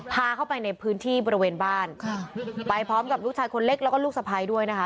พาเข้าไปในพื้นที่บริเวณบ้านไปพร้อมกับลูกชายคนเล็กแล้วก็ลูกสะพ้ายด้วยนะคะ